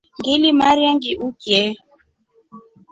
Ngilimarya ngiukye.